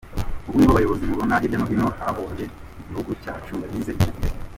Ubu nibo bayobozi mubona hirya no hino, abayoboye igihugu cyacu bize icyo gihe.